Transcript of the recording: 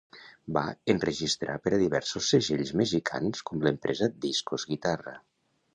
Va enregistrar per a diversos segells mexicans com l'empresa Discos Guitarra.